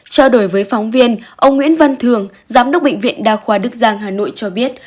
trao đổi với phóng viên ông nguyễn văn thường giám đốc bệnh viện đa khoa đức giang hà nội cho biết